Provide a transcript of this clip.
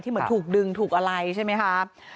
เหมือนถูกดึงถูกอะไรใช่ไหมครับ